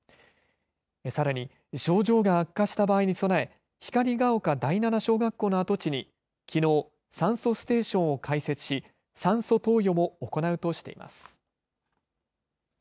さらに症状が悪化した場合に備え光が丘第七小学校の跡地にきのう酸素ステーションを開設し、酸素投与も行うとしています。